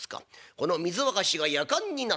「この水沸かしがやかんになった。